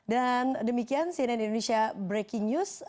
dan demikian cnn indonesia breaking news